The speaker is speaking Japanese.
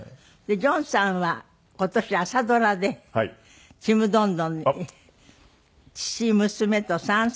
ジョンさんは今年朝ドラで『ちむどんどん』に父娘と３世代で出演した。